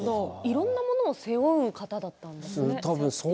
いろんなものを背負う方だったんですね。